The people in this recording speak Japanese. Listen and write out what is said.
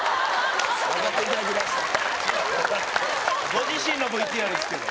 ご自身のＶＴＲですけど。